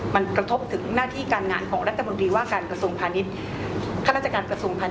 มันกระทบถึงหน้าที่การงานของรัฐบะรีวะการกระทรงพาณิชย์